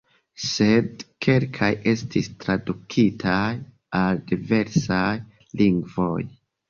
Sed kelkaj estis tradukitaj al diversaj lingvoj.